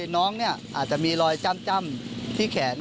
น้องอาจจะมีรอยจ้ำที่แขน